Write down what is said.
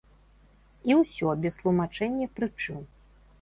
І ўсё, без тлумачэння прычын.